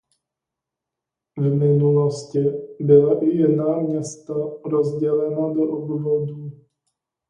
V minulosti byla i jiná města rozdělena do obvodů.